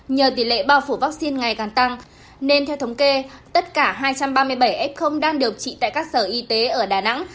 nhờ tỷ lệ bao phủ vaccine ngày càng tăng nên theo thống kê tất cả hai trăm ba mươi bảy f đang điều trị tại các sở y tế ở đà nẵng